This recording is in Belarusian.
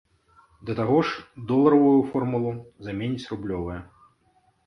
Да таго ж, доларавую формулу заменіць рублёвая.